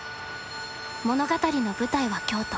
物語の舞台は京都。